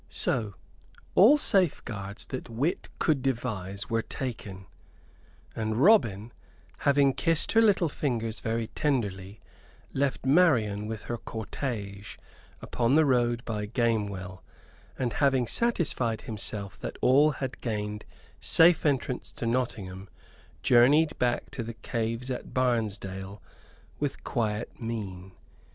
So all safeguards that wit could devise were taken, and Robin, having kissed her little fingers very tenderly, left Marian with her cortège, upon the road by Gamewell, and having satisfied himself that all had gained safe entrance to Nottingham, journeyed back to the caves at Barnesdale with quiet mien.